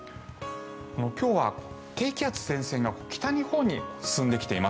今日は低気圧の前線が北日本に進んできています。